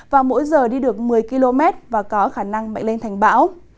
và mỗi giờ đi được một mươi km và có khả năng mạnh lên thành bão